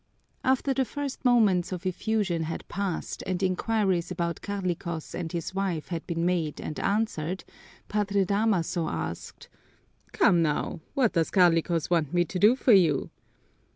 After the first moments of effusion had passed and inquiries about Carlicos and his wife had been made and answered, Padre Damaso asked, "Come now, what does Carlicos want me to do for you?"